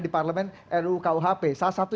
di parlemen rukuhp salah satu